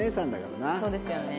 そうですよね。